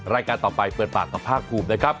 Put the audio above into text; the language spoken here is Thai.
รายการต่อไปเปิดปากกับผ้ากลุมด้วยครับ